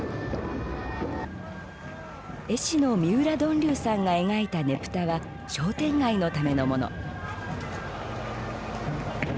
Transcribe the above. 絵師の三浦呑龍さんが描いたねぷたは商店街のためのもの。